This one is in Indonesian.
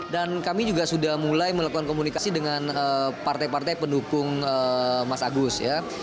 dan kami juga sudah mulai melakukan komunikasi dengan partai partai pendukung mas agus